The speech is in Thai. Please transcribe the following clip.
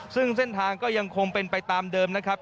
ซึ่งเส้นทางก็ยังคงเป็นไปตามเดิมนะครับ